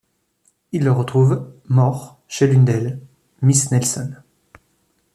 Ils le retrouvent, mort, chez l'une d'elles, Miss Nelson.